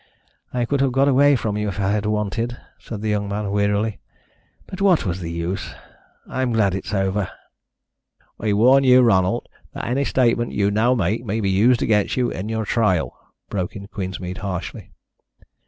"I could have got away from you if I had wanted," said the young man wearily. "But what was the use? I'm glad it is over." "I warn you, Ronald, that any statement you now make may be used against you on your trial," broke in Queensmead harshly.